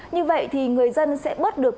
như vậy thì người dân sẽ bớt được